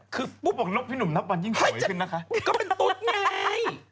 ก็เป็นตุ๊กไง